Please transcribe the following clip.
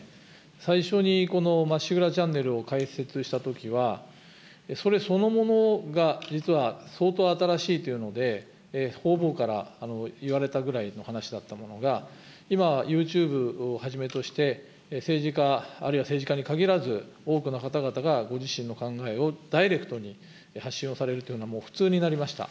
最初に、まっしぐらチャンネルを開設したときは、それそのものが実は相当新しいというので、方々から言われたくらいの話だったものが、今、ユーチューブをはじめとして、政治家あるいは政治家に限らず、多くの方々がご自身の考えをダイレクトに発信をされるというのは普通になりました。